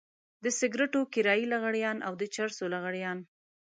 د سګرټو کرايي لغړيان او د چرسو لغړيان.